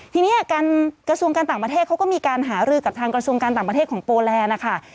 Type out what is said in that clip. ทีนี้การกระทรวงการต่างประเทศเขาก็มีการหารือกับทางกระทรวงการต่างประเทศของโปแลนด์นะคะ